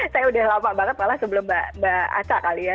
saya udah lama banget malah sebelum mbak aca kali ya